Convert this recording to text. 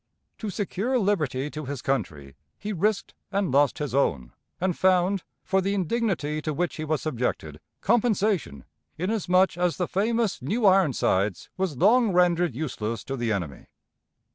To secure liberty to his country, he risked and lost his own, and found, for the indignity to which he was subjected, compensation, inasmuch as the famous New Ironsides was long rendered useless to the enemy.